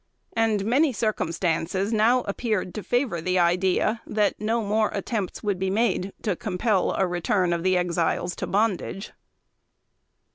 And many circumstances now appeared to favor the idea, that no more attempts would be made to compel a return of the Exiles to bondage.